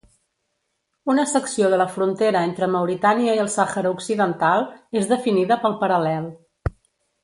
Una secció de la frontera entre Mauritània i el Sàhara Occidental és definida pel paral·lel.